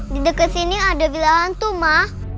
dideket sini ada villa hantu ma